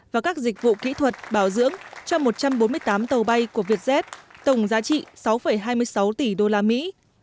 và các dịch vụ kỹ thuật bảo dưỡng cho một trăm bốn mươi tám tàu bay của vietjet tổng giá trị sáu hai mươi sáu tỷ đô la mỹ